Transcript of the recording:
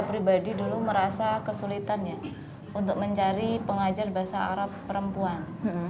pribadi dulu merasa kesulitannya untuk mencari pengajar bahasa arab perempuan